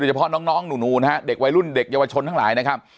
เฉพาะน้องหนูนะฮะเด็กวัยรุ่นเด็กเยาวชนทั้งหลายนะครับ